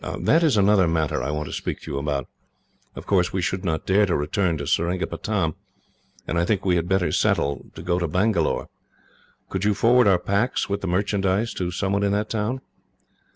"That is another matter I want to speak to you about. Of course, we should not dare to return to Seringapatam, and I think that we had better settle to go to Bangalore. Could you forward our packs, with the merchandise, to someone in that town?"